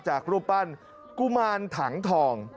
รูปปั้นกุมารถังทอง